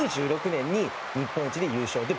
９６年に日本一で優勝。